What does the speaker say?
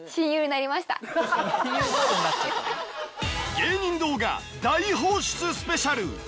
芸人動画大放出スペシャル！